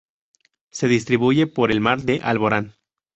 Se distribuye por el mar de Alborán.